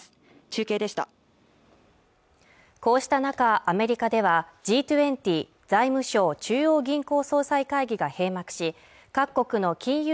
中継でしたこうした中アメリカではＧ２０＝財務相・中央銀行総裁会議が閉幕し各国の金融